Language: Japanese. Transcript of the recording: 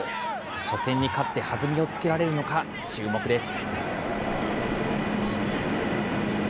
初戦に勝って弾みをつけられるのか注目です。